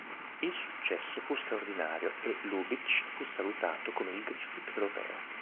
Il successo fu straordinario e Lubitsch fu salutato come il “Griffith europeo”.